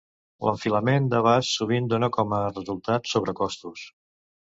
L'enfilament d'abast sovint dona com a resultat sobrecostos.